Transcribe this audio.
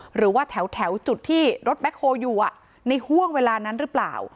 หรือว่าแถวจุดที่รถแคลอยู่ในห่วงเวลานั้นหรือเปล่า